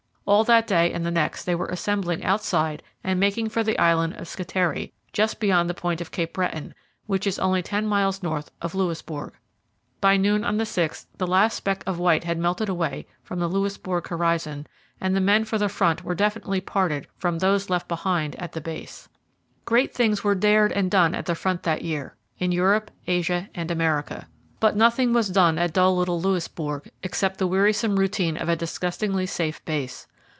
All that day and the next they were assembling outside and making for the island of Scatari, just beyond the point of Cape Breton, which is only ten miles north of Louisbourg. By noon on the 6th the last speck of white had melted away from the Louisbourg horizon and the men for the front were definitely parted from those left behind at the base. Great things were dared and done at the front that year, in Europe, Asia, and America. But nothing was done at dull little Louisbourg, except the wearisome routine of a disgustingly safe base.